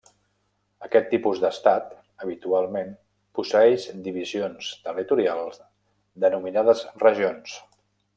Aquest tipus d'estat, habitualment, posseeix divisions territorials denominades regions.